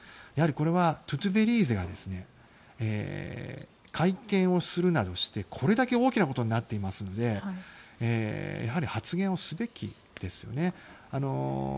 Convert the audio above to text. やはりこれはトゥトベリーゼが会見をするなどしてこれだけ大きなことになっていますのでやはり発言をすべきですよね。